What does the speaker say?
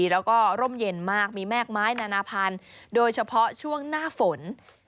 แล้วก็ร่มเย็นมากมีแม่กไม้นานาพันธุ์โดยเฉพาะช่วงหน้าฝน